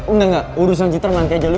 enggak enggak urusan citra nangkej aja dulu